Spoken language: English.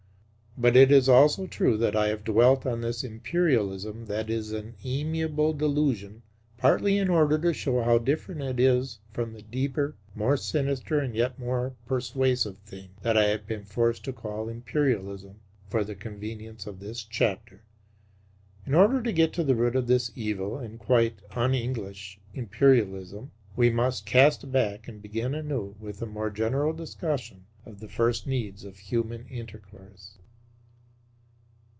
But it is also true that I have dwelt on this Imperialism that is an amiable delusion partly in order to show how different it is from the deeper, more sinister and yet more persuasive thing that I have been forced to call Imperialism for the convenience of this chapter. In order to get to the root of this evil and quite un English Imperialism we must cast back and begin anew with a more general discussion of the first needs of human intercourse.